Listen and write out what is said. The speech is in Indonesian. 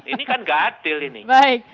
ini kan gak adil ini